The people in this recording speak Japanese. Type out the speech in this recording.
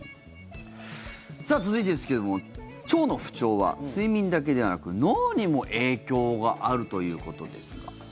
続いてですけど腸の不調は睡眠だけではなく脳にも影響があるということですが。